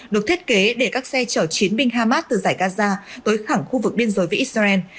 được thiết kế để các xe chở chiến binh hamas từ giải gaza tới khẳng khu vực biên giới với israel